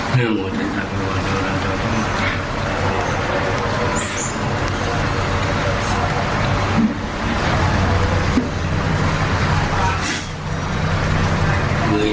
ภาวะ